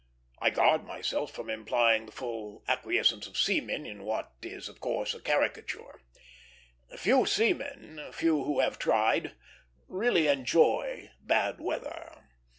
I guard myself from implying the full acquiescence of seamen in what is, of course, a caricature; few seamen, few who have tried, really enjoy bad weather.